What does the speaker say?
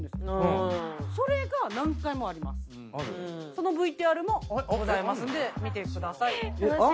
そのＶＴＲもございますんで見てください。